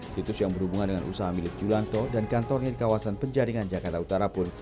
situs yang berhubungan dengan usaha milik julianto dan kantornya di kawasan penjaringan jakarta utara pun